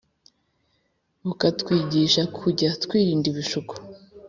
bukatwigisha kujya twirinda ibishuko